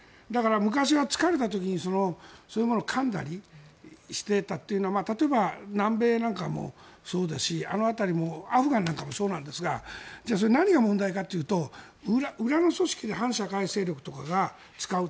昔は疲れた時に、そういうものをかんだりしていたというのは例えば南米なんかもそうだしアフガンなんかもそうなんですが何が問題かというと裏の組織で反社会勢力とかが使う。